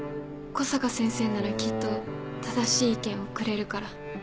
小坂先生ならきっと正しい意見をくれるから